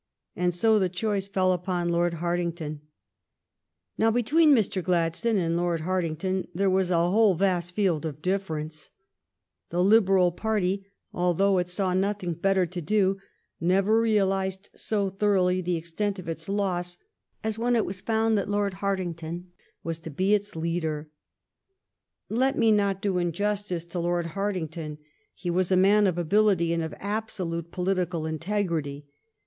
And so the choice fell upon Lord Hartington. Now between Mr. Gladstone and Lord Harting ton there was a whole vast field of difference. The Liberal party, although it saw nothing better to do, never realized so thoroughly the extent of its loss as when it found that Lord Hartington was William Euwai (From d pb(Mggi4ph by El GLADSTONE IN RETIREMENT 317 to be its leader. Let me not do injustice to Lord Hartington. He was a man of ability and of abso lute political integrity.